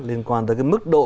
liên quan tới cái mức độ